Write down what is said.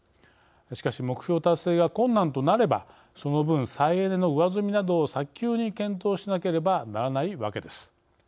しかし、目標達成が困難となればその分、再エネの上積みなどを早急に検討しなければならないわけです。